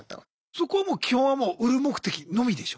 そこはもう基本はもう売る目的のみでしょ？